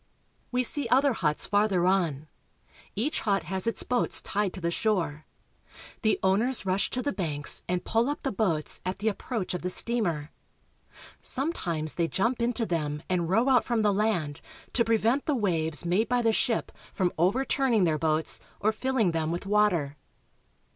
We see other huts farther on. Each hut has its boats tied to the shore. The owners rush to the banks and pull up the boats at the approach of the steamer. Sometimes they jump into them and row out from the land to prevent the waves made by the ship from overturning their boats or filling them with water.